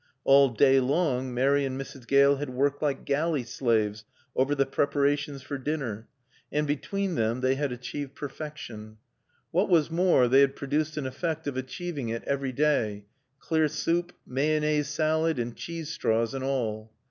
All day long Mary and Mrs. Gale had worked like galley slaves over the preparations for dinner, and between them they had achieved perfection. What was more they had produced an effect of achieving it every day, clear soup, mayonnaise salad and cheese straws and all.